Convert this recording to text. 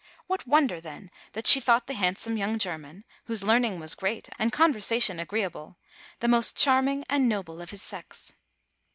What wonder, then, that she thought the handsome young Ger man, whose learning was great and conversation agreeable, the most charming and noble of his sex